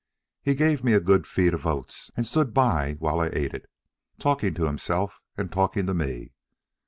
He gave me a good feed of oats, and stood by while I ate it, talking to himself and talking to me.